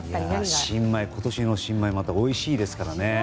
今年の新米はまたおいしいですから。